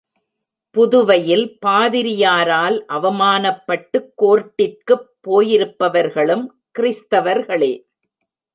புதுவையில் பாதிரியாரால் அவமானப்பட்டுக் கோர்ட்டிற்குப் போயிருப்பவர்களும் கிறிஸ்தவர்களே.